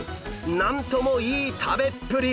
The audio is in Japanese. なんともいい食べっぷり！